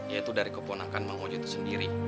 yaitu dari keponakan bang ojo itu sendiri